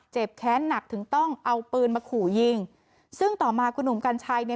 แค้นหนักถึงต้องเอาปืนมาขู่ยิงซึ่งต่อมาคุณหนุ่มกัญชัยเนี่ย